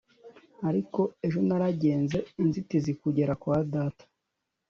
ariko ejo naragenze inzitizikugera kwa data